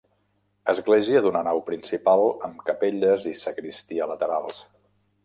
Església d'una nau principal amb capelles i sagristia laterals.